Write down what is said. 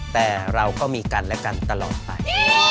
แต่เราก็มีกันและกันตลอดไป